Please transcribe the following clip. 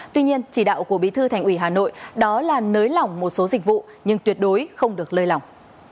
tuy nhiên chỉ đạo của bí thư thành ủy hà nội đó là nới lỏng một số dịch vụ nhưng tuyệt đối không được lơi lỏng